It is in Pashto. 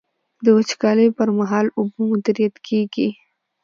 د وچکالۍ پر مهال اوبه مدیریت کیږي.